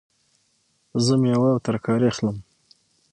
زه میوه او ترکاری اخلم